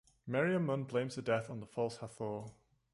Meriamun blames the death on the False Hathor.